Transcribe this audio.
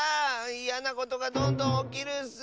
いやなことがどんどんおきるッス！